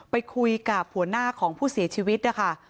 ไปคุยกับหัวหน้าของผู้เสียชีวิตนะคะ